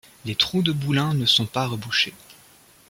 Les trous de boulins ne sont pas rebouchés.